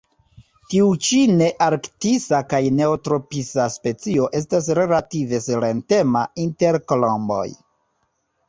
Tiu ĉi nearktisa kaj neotropisa specio estas relative silentema inter kolomboj.